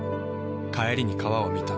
帰りに川を見た。